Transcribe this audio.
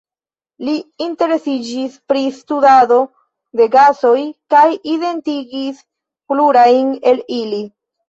Li interesiĝis pri studado de gasoj kaj identigis plurajn el ili.